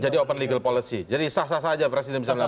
jadi open legal policy jadi sah sah saja presiden bisa melakukan